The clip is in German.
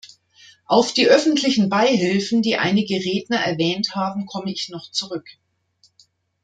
Auf die öffentlichen Beihilfen, die einige Redner erwähnt haben, komme ich noch zurück.